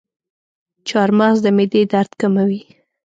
چارمغز د معدې درد کموي.